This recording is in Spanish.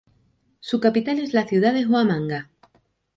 Su capital es la ciudad de Huamanga.